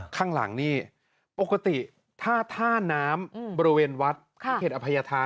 ข้างหลังนี่ปกติท่าท่าน้ำบริเวณวัดเขตอภัยธา